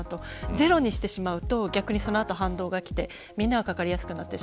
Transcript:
ゼロにしてしまうとその後、反動がきてみんながかかりやすくなる。